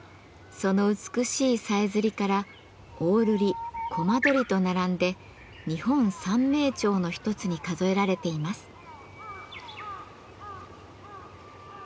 その美しいさえずりからオオルリコマドリと並んで日本三鳴鳥の一つに数えられています。